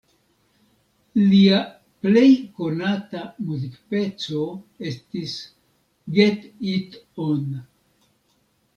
Lia plej konata muzikpeco estis "Get It On".